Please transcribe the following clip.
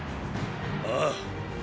ああ。